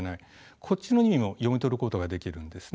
こっちの意味も読み取ることができるんですね。